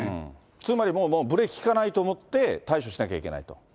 つまりもうブレーキ利かないと思って、対処しなきゃいけないと。